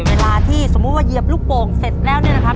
เวลาที่สมมุติว่าเหยียบลูกโป่งเสร็จแล้วเนี่ยนะครับ